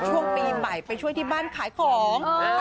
ช่วงปีใหม่ไปช่วยที่บ้านขายของ